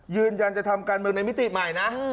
ยืนยันจะทำการเมืองในมิติใหม่นะ